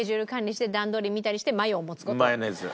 マヨネーズ。